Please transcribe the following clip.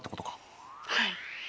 はい。